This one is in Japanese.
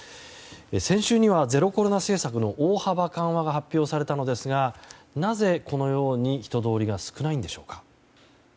先週にはゼロコロナ政策の大幅緩和が発表されたのですがなぜ、このように人通りが少ないんでしょうか。